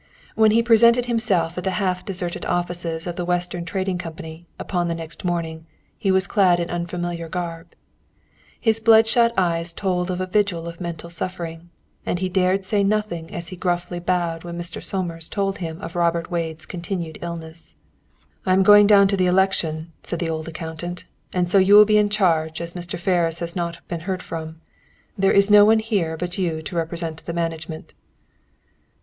When he presented himself at the half deserted office of the Western Trading Company, upon the next morning, he was clad in unfamiliar garb. His blood shot eyes told of a vigil of mental suffering, and he dared say nothing as he gruffly bowed when Mr. Somers told him of Robert Wade's continued illness. "I am going down to the election," said the old accountant. "And so you will be in charge, as Mr. Ferris has not been heard from. There is no one here but you to represent the management."